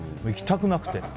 行きたくなくて。